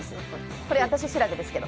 これ、私調べですけど。